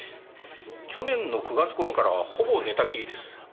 去年の９月頃からほぼ寝たきりです。